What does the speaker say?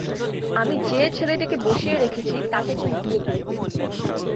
আমি যে-ছেলেটিকে বসিয়ে রেখেছি তাকে তুই বিয়ে করবি।